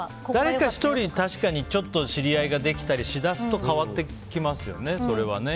誰か１人ちょっと知り合いができたりしだすと変わってきますよね、それは。